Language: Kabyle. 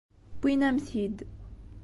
Wwin-am-t-id.